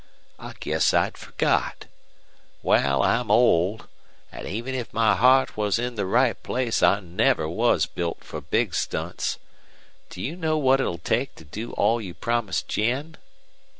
I guess I'd forgot. Wal, I'm old, an' even if my heart was in the right place I never was built fer big stunts. Do you know what it'll take to do all you promised Jen?"